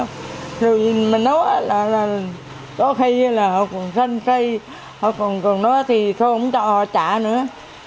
nhưng mà nói là có khi là họ còn xanh xây họ còn còn đó thì sao không cho họ trả nữa